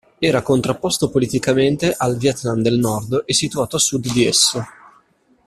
Era contrapposto politicamente al Vietnam del Nord e situato a sud di esso.